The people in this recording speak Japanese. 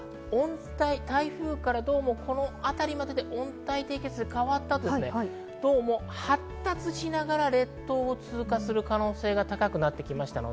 台風からこの辺りまでで温帯低気圧に変わって発達しながら列島を通過する可能性が高くなってきました。